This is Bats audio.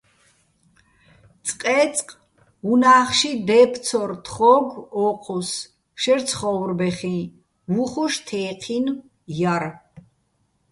წყე́წყ უ̂ნა́ხში დე́ფცორ თხო́გო̆ ო́ჴუს შერ ცხო́ვრბეხიჼ, უ̂ხუშ თე́ჴინო̆ ჲარ.